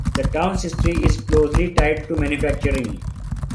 The town's history is closely tied to manufacturing.